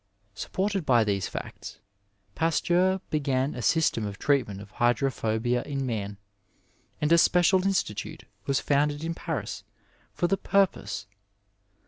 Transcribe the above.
Supported by these facts, Pasteur began a system of treat ment of hydrophobia in man, and a special institute was founded in Paris for the purpose.